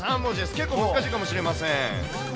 結構難しいかもしれません。